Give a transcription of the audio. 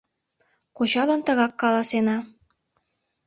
— Кочалан тыгак каласена...